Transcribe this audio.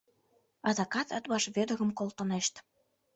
— Адакат Атбаш Вӧдырым колтынешт.